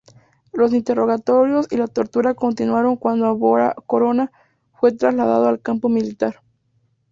Los interrogatorios y la tortura continuaron cuando Abaroa Corona fue trasladado al campo militar.